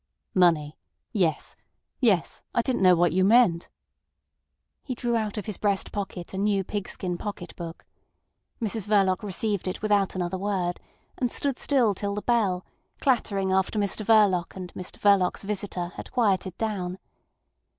"Money! Yes! Yes! I didn't know what you meant." He drew out of his breast pocket a new pigskin pocket book. Mrs Verloc received it without another word, and stood still till the bell, clattering after Mr Verloc and Mr Verloc's visitor, had quieted down.